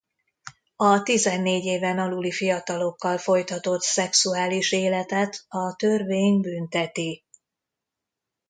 A tizennégy éven aluli fiatalokkal folytatott szexuális életet a törvény bünteti.